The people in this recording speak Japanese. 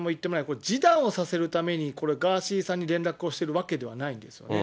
これ、示談をさせるために、ガーシーさんに連絡をしているわけではないんですよね。